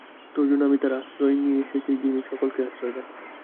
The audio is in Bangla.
তোর জন্য আমি তাঁর আশ্রয় নিয়ে এসেছি যিনি সকলকে আশ্রয় দেন।